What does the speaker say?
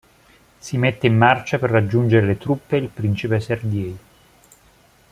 Si mette in marcia per raggiungere le truppe e il principe Sergei.